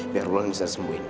biar lo yang bisa sembuhin